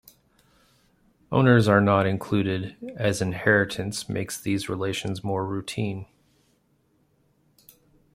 Owners are not included, as inheritance makes these relations more routine.